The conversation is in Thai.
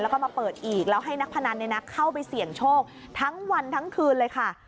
แล้วก็มาเปิดอีกแล้วให้นักพนันเข้าไปเสี่ยงโชคทั้งวันทั้งคืนเลยค่ะ